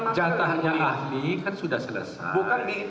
jatahnya ahli kan sudah selesai